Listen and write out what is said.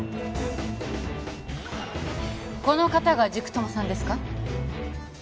この方が塾友さんですか？